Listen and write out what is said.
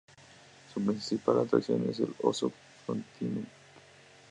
Su principal atracción es el Oso Frontino.